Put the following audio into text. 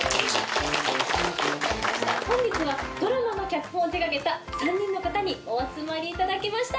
本日はドラマの脚本を手掛けた３人の方にお集まりいただきました。